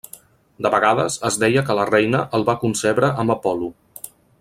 De vegades es deia que la reina el va concebre amb Apol·lo.